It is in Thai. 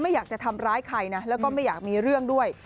อยากจะทำร้ายใครนะแล้วก็ไม่อยากมีเรื่องด้วย